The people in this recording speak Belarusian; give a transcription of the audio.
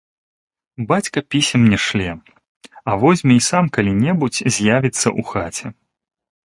Бацька пісем не шле, а возьме і сам калі-небудзь з'явіцца ў хаце.